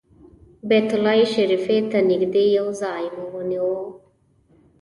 بیت الله شریفې ته نږدې یو ځای مو ونیو.